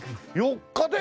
４日で！？